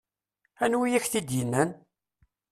Anwa i ak-t-id-yennan?